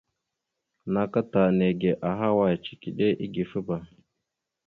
Naka ta nège ahaway? Cikiɗe igefaba.